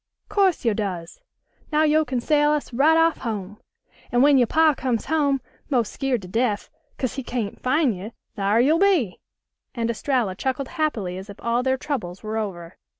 Course yo' does. Now yo' can sail us right off home. An' when yo' pa comes home 'mos' skeered to def, 'cos he cyan't fin' yo', thar' yo'll be," and Estralla chuckled happily as if all their troubles were over.